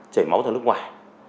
chảy máu theo nước ngoài